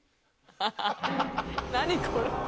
何これ！